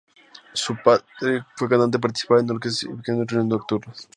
Su padre fue cantante, participaba en orquestas y pequeñas reuniones nocturnas.